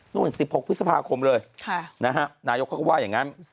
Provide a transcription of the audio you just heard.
๑๖พฤษภาคมเลยนายกเขาก็ว่าอย่างนั้น